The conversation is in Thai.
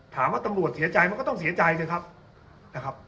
ตำรวจเสียใจมันก็ต้องเสียใจสิครับนะครับ